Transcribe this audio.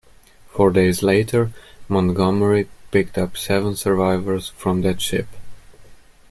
Four days later, "Montgomery" picked up seven survivors from that ship.